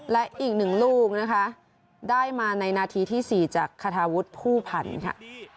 และอีกหนึ่งลูกนะคะได้มาในนาทีที่๔จากคาทาวุฒิผู้พันธ์ค่ะ